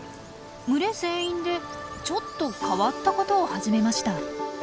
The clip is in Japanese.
群れ全員でちょっと変わったことを始めました。